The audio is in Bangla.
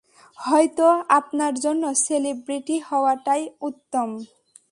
হয়ত আপনার জন্য সেলিব্রিটি হওয়াটাই উত্তম।